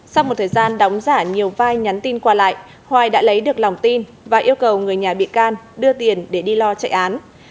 sau một thời gian đóng giả nhiều vai nhắn tin qua lại hoài đã lấy được lòng tin và yêu cầu người nhà bị can đưa tiền để đi lo chạy án